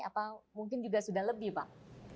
atau mungkin juga sudah lebih pak